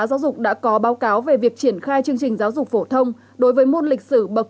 giáo dục đã có báo cáo về việc triển khai chương trình giáo dục phổ thông đối với môn lịch sử bậc